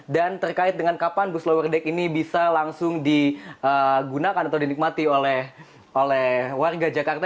dan terkait dengan kapan bus lower deck ini bisa langsung digunakan atau dinikmati oleh warga jakarta